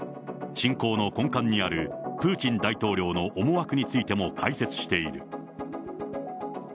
侵攻の根幹にあるプーチン大統領の思惑についても解説している。